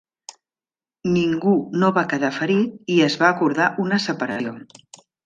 Ningú no va quedar ferit i es va acordar una separació.